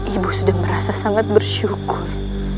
ibu sedang merasa sangat bersyukur